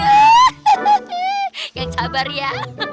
jangan sabar ya